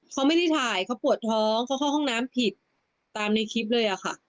เขาไม่ได้ถ่ายเขาปวดท้องเขาเข้าห้องน้ำผิดตามในคลิปเลยอะค่ะ